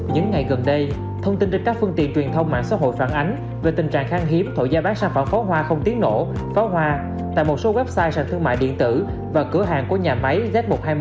những ngày gần đây thông tin trên các phương tiện truyền thông mạng xã hội phản ánh về tình trạng khang hiếm thuộc gia bán sản phẩm pháo hoa không tiếng nổ pháo hoa tại một số website sản thương mại điện tử và cửa hàng của nhà máy z một trăm hai mươi một